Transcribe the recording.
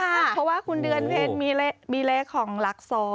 เพราะว่าคุณเดือนเพชรมีเลขของหลัก๒